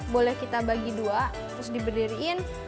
boleh kita bagi dua terus diberdiriin